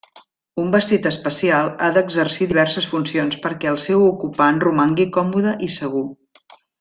Un vestit espacial ha d'exercir diverses funcions perquè el seu ocupant romangui còmode i segur.